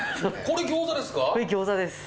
これ餃子です